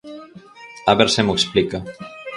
A ver se mo explica.